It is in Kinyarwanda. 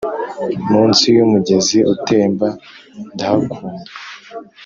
munsi yumugezi utemba ndahakunda,